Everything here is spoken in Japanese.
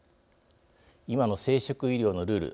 今の生殖医療のルール